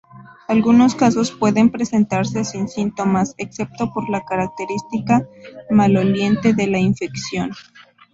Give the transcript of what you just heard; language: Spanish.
Algunos casos pueden presentarse sin síntomas, excepto por la característica maloliente de la infección.